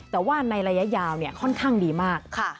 แต่ว่าในระยะยาวค่อนข้างดีมาก